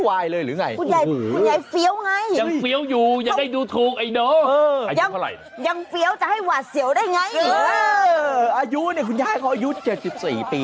อายุเนี่ยคุณยายเขาอายุ๗๔ปีนะครับ